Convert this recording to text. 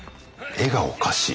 絵がおかしい。